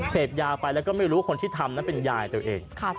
เสพยาไปแล้วก็ไม่รู้ว่าคนที่ทำนั้นเป็นยายตัวเอง